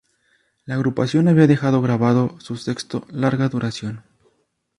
La agrupación había dejado grabado su sexto larga duración.